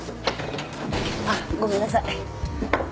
あっごめんなさい。